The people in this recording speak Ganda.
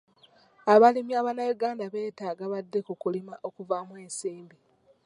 Abalimi abannayuganda beetaaga badde ku kulima okuvaamu ensimbi.